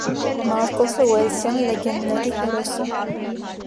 Մարկոսը ուելսյան լեգենդների հերոս է։